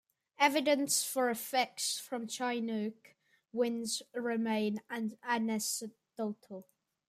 Evidence for effects from Chinook winds remain anecdotal.